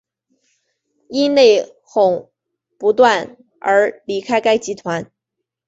因内哄不断而离开该集团。